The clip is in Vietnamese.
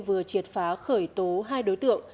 vừa triệt phá khởi tố hai đối tượng